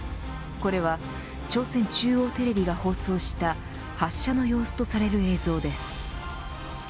これは朝鮮中央テレビが放送した発射の様子とされる映像です。